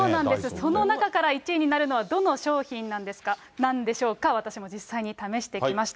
その中から１位になるのはどの商品なんでしょうか、私も実際に試してきました。